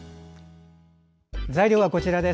材料はこちらです。